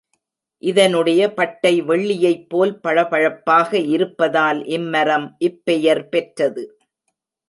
இதனுடைய பட்டை வெள்ளியைப்போல் பளபளப்பாக இருப்பதால் இம்மரம் இப்பெயர் பெற்றது.